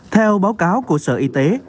theo báo cáo của sở y tế